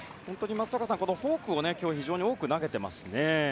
松坂さん、フォークを今日は非常に多く投げていますね。